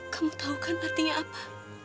kamu tahu kan artinya apa